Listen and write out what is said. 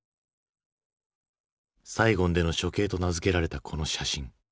「サイゴンでの処刑」と名付けられたこの写真。